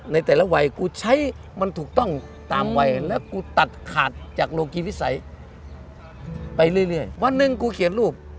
ในแต่ละวัย